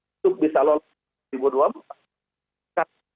untuk bisa lolos p dua puluh empat